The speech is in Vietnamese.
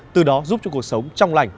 từ đó giúp cho cuộc sống trong lành